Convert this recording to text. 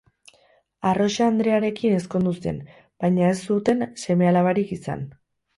Arrosa andrearekin ezkondu zen, baina ez zuten seme-alabarik izan.